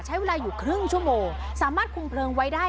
ใช้เวลาอยู่ครึ่งชั่วโมงสามารถคุมเพลิงไว้ได้